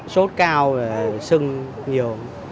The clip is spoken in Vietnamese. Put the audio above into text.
sốt cao sưng nhiều